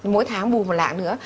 mỗi tháng bù một lạng nữa